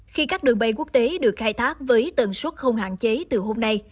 khi các đường bay quốc tế được khai thác với tần suất không hạn chế từ hôm nay